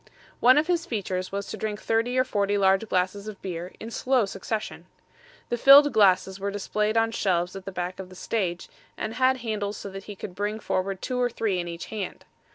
One of his features was to drink thirty or forty large glasses of beer in slow succession. The filled glasses were displayed on shelves at the back of the stage, and had handles so that he could bring forward two or three in each hand.